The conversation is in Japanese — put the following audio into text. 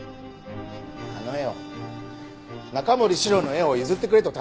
あの絵を中森司郎の絵を譲ってくれと頼んでいたんです。